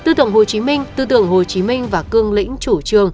tư tưởng hồ chí minh tư tưởng hồ chí minh và cương lĩnh chủ trường